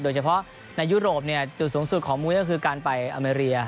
โดยเฉพาะในยุโรปจุดสูงสุดของมุ้ยก็คือการไปอเมริย